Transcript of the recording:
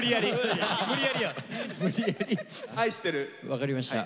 分かりました。